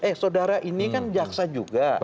eh saudara ini kan jaksa juga